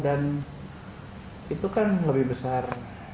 dan itu kan lebih besar